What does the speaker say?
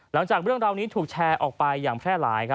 หลังจากเรื่องราวนี้ถูกแชร์ออกไปอย่างแพร่หลาย